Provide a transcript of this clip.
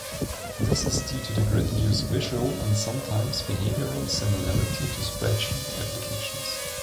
This is due to grid views' visual and sometimes behavioral similarity to spreadsheet applications.